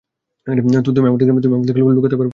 তুমি আমার থেকে লুকাতে পারবে না, বায।